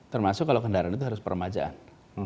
termasuk kalau kendaraan itu harus peremajaan